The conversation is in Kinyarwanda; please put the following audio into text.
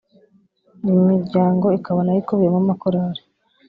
Iyi miryango ikaba nayo ikubiyemo amakorali